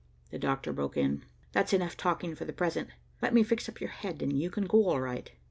The doctor broke in. "That's enough talking for the present. Let me fix up your head and you can go all right."